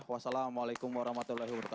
wassalamualaikum warahmatullahi wabarakatuh